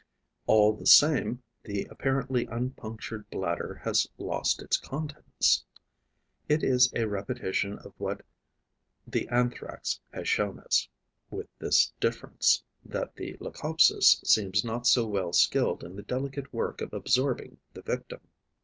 All the same, the apparently unpunctured bladder has lost its contents. It is a repetition of what the Anthrax has shown us, with this difference, that the Leucopsis seems not so well skilled in the delicate work of absorbing the victim.